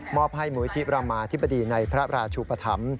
อบให้มุยธิบรามาธิบดีในพระราชุปธรรม